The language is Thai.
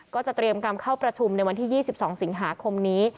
เตรียมการเข้าประชุมในวันที่๒๒สิงหาคมนี้